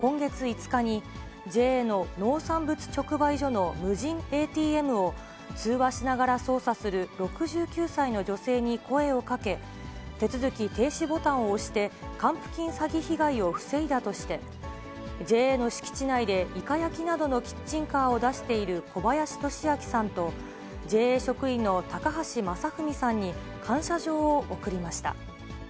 埼玉県警本庄警察署は、今月５日に、ＪＡの農産物直売所の無人ＡＴＭを、通話しながら操作する６９歳の女性に声をかけ、手続き停止ボタンを押して還付金詐欺被害を防いだとして、ＪＡの敷地内でイカ焼きなどのキッチンカーを出している小林俊明さんとＪＡ職員の高橋栄富美さんに感謝状を贈りました。